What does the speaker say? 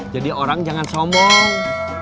jadi orang jangan sombong